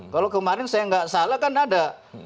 kalau kemarin saya nggak salah kan ada